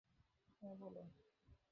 হা, বলুন।